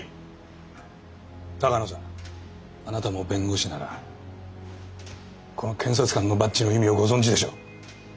鷹野さんあなたも弁護士ならこの検察官のバッチの意味をご存じでしょう？